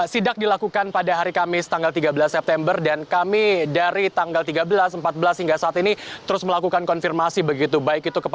sidak dilakukan pada hari kamis tanggal tiga belas september dan kami dari tanggal tiga belas empat belas hingga saat ini terus melakukan konfirmasi begitu